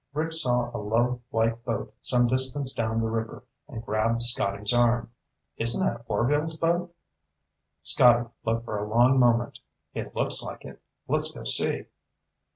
Rick saw a low, white boat some distance down the river and grabbed Scotty's arm. "Isn't that Orvil's boat?" Scotty looked for a long moment. "It looks like it. Let's go see."